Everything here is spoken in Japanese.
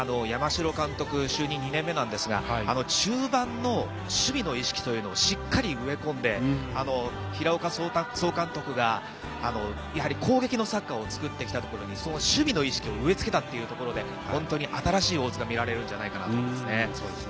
山城監督、就任２年目なんですが、中盤の守備の意識というのをしっかり植え込んで、平岡総監督が攻撃のサッカーを作ってきたと、その守備の意識を植えつけたというところで、ホントに新しい大津が見られるんじゃないかなと思います。